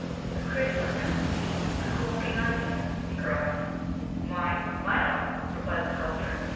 The Critic leaped to his feet. "A corking idea," he cried. "Mine, mine own," replied the Sculptor.